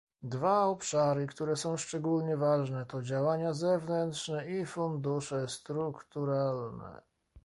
Dwa obszary, które są szczególnie ważne, to działania zewnętrzne i fundusze strukturalne